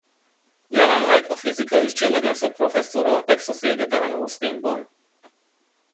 Jelenleg a fizika és csillagászat professzora a Texasi Egyetemen Austinban.